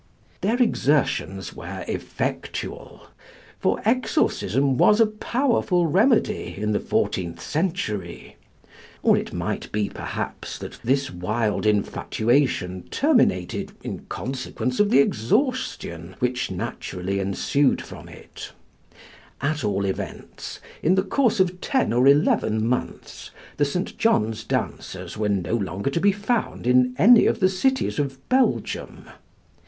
Their exertions were effectual, for exorcism was a powerful remedy in the fourteenth century; or it might perhaps be that this wild infatuation terminated in consequence of the exhaustion which naturally ensued from it; at all events, in the course of ten or eleven months the St. John's dancers were no longer to be found in any of the cities of Belgium.